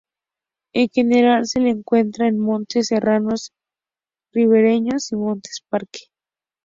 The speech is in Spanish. En general se la encuentra en montes serranos, ribereños y montes parque.